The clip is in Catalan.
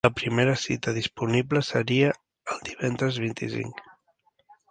La primera cita disponible seria el divendres vint-i-cinc.